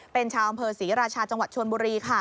เป็นชาวอำเภอศรีราชาจังหวัดชนบุรีค่ะ